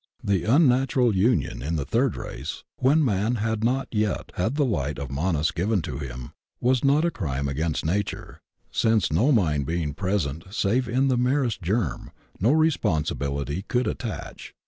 The unnatural union in the third race, when man had not yet had the light of Manas given to him, was not a crime against Nature, since, no mind being present save in the merest germ, no responsibility could at tach.